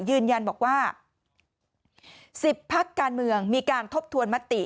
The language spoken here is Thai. ยืนยันบอกว่า๑๐พักการเมืองมีการทบทวนมติ